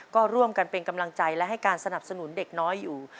ก็ร่วมกันเป็นกำลังใจและให้การสนับสนุนเด็กน้อยอยู่